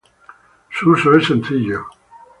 Su uso es sencillo.